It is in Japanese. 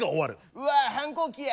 「うわ反抗期や！」